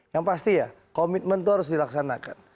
yang pasti ya komitmen itu harus dilaksanakan